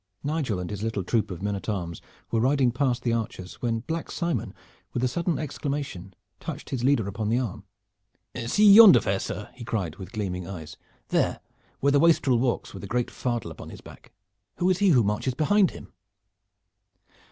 Nigel and his little troop of men at arms were riding past the archers when Black Simon with a sudden exclamation touched his leader upon the arm. "See yonder, fair sir," he cried, with gleaming eyes, "there where the wastrel walks with the great fardel upon his back! Who is he who marches behind him?"